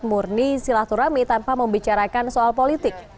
murni silaturahmi tanpa membicarakan soal politik